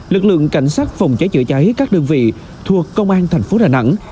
lực lượng cảnh sát phòng cháy chữa cháy các đơn vị thuộc công an tp đà nẵng